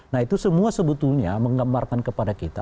nah itu semua sebetulnya menggambarkan kepada kita